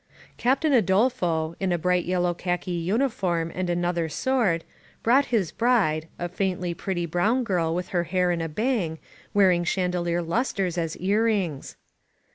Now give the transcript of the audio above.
Captain Adolf o, in a bright yellow khaki uniform and another sword, brought his bride, a faintly pretty brown girl with her hair in a bang, wearing chandelier lusters as ear rings.